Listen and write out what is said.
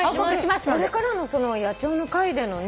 これからの野鳥の会でのね